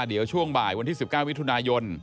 เดี๋ยวช่วงบ่ายวันที่๑๙มิถุนายน